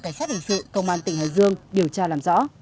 cảnh sát hình sự công an tỉnh hải dương điều tra làm rõ